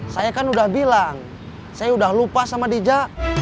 saya kan udah bilang saya udah lupa sama dija